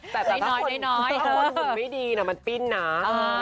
แต่ถ้าเมื่อฝุ่นไม่ดีมันพลิ้นหนา